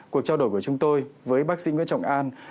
cuộc trao đổi của chúng tôi với bác sĩ nguyễn trọng an